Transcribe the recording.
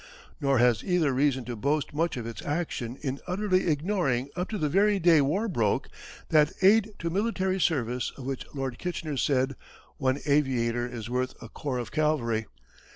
Nor has either reason to boast much of its action in utterly ignoring up to the very day war broke that aid to military service of which Lord Kitchener said, "One aviator is worth a corps of cavalry."